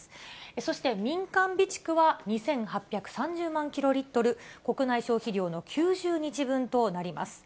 そして、民間備蓄は２８３０万キロリットル、国内消費量の９０日分となります。